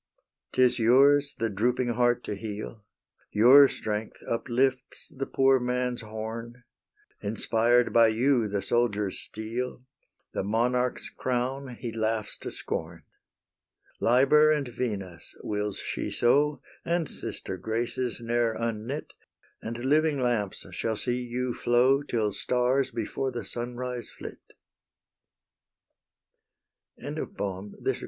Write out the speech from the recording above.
'Tis yours the drooping heart to heal; Your strength uplifts the poor man's horn; Inspired by you, the soldier's steel, The monarch's crown, he laughs to scorn. Liber and Venus, wills she so, And sister Graces, ne'er unknit, And living lamps shall see you flow Till stars before the sunrise flit. XXII. MONTIUM CUSTOS.